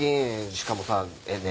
しかもさね